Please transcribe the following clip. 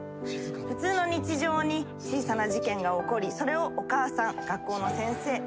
普通の日常に小さな事件が起こりそれをお母さん学校の先生子供たち。